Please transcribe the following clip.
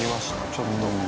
ちょっと。